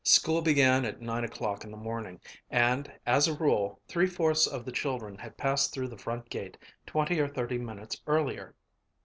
School began at nine o'clock in the morning and, as a rule, three fourths of the children had passed through the front gate twenty or thirty minutes earlier.